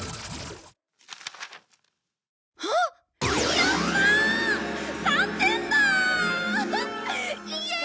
やったー！